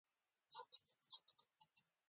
بله تګلاره له جنسـي اړیکو په دورهیي ډول لرېوالی و.